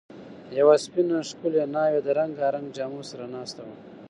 یوه سپینه، ښکلې ناوې د رنګارنګ جامو سره ناسته وه.